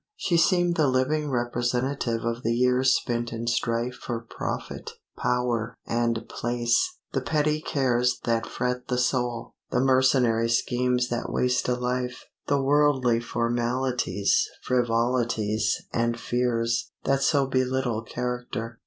She seemed the living representative of the years spent in strife for profit, power, and place; the petty cares that fret the soul, the mercenary schemes that waste a life, the worldly formalities, frivolities, and fears, that so belittle character.